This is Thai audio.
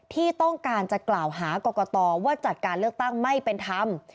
ที่ต้องการจะกล่าวหากรกตว่าจัดการเลือกตั้งไม่เป็นธรรม